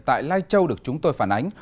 tại lai châu được chúng tôi phản ánh